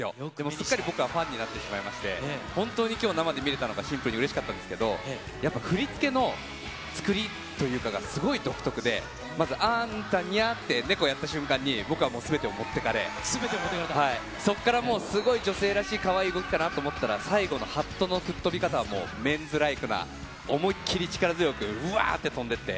すっかり僕はファンになってしまいまして、本当にきょう、生で見れたのがシンプルにうれしかったですけど、やっぱり振り付けの作りというかがすごい独特で、まず、あーんたにゃって、猫をやった瞬間に、僕はもうすべてをもってかれ、そこからもう、すごい女性らしいかわいい動きかなと思ったら、最後のハットの吹っ飛び方は、もうメンズライクな、思いっ切り力強く、うわーってとんでいって。